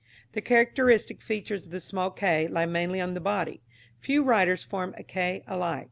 The characteristic features of the small k lie mainly in the body. Few writers form a k alike.